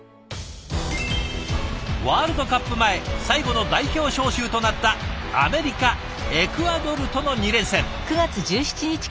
ワールドカップ前最後の代表招集となったアメリカエクアドルとの２連戦。